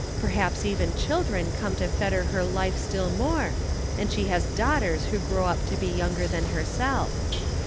Perhaps even children come to fetter her life still more and she has daughters who grow up to be younger than herself.